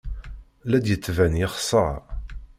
La d-yettban yexṣer.